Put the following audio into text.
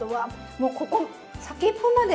もうここ先っぽまで。